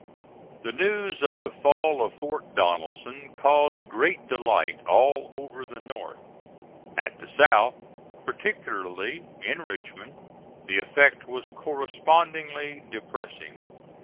The news of the fall of Fort Donelson caused great delight all over the North. At the South, particularly in Richmond, the effect was correspondingly depressing.